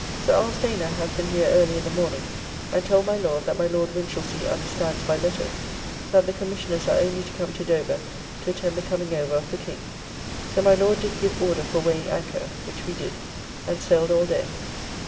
Sir R. Stayner hath been here early in the morning and told my Lord, that my Lord Winchelsea understands by letters, that the Commissioners are only to come to Dover to attend the coming over of the King. So my Lord did give order for weighing anchor, which we did, and sailed all day.